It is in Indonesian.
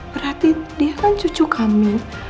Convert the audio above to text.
berarti dia kan cucu kami